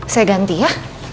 saya ganti ya